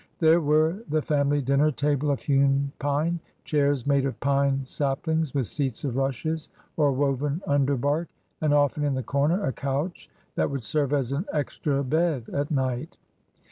There were the family dinner table of hewn pine, chairs made of pine saplings with seats of rushes or woven underbark, and often in the comer a couch that would serve as an extra bed at night.